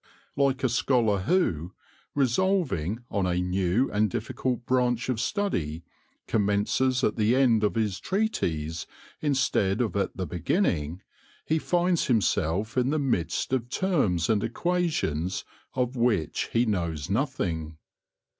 Like a scholar who, resolving on a new and difficult branch of study, commences at the end of his treatise instead of at the beginning, he finds himself in the midst of terms and equations of which he knows nothing.